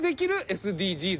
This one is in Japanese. ＳＤＧｓ？